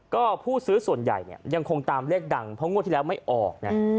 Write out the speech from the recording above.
ก็ผู้ซื้อส่วนใหญ่เนี่ยยังคงตามเลขดังเพราะงวดที่แล้วไม่ออกนะ